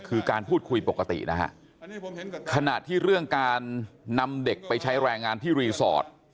คือการพูดคุยปกตินะฮะขณะที่เรื่องการนำเด็กไปใช้แรงงานที่รีสอร์ท